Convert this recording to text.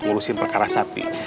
ngurusin perkara sapi